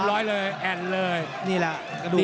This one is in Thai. โอ้โห